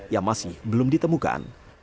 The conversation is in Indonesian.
yang masih belum ditemukan